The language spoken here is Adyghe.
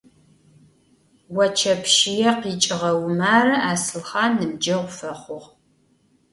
Voçepşıê khiç'ığe Vumare Aslhan nıbceğu fexhuğ.